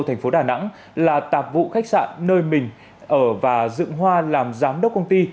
thành phố đà nẵng là tạp vụ khách sạn nơi mình ở và dựng hoa làm giám đốc công ty